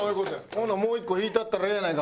ほなもう１個引いたったらええやないか。